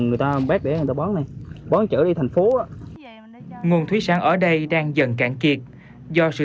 người ta bét để người ta bón này bón chở đi thành phố đó nguồn thúy sản ở đây đang dần cạn kiệt do